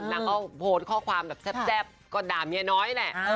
นางก็โพสต์ข้อความแบบแซ่บก็ด่าเมียน้อยแหละ